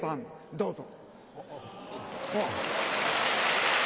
どうぞ。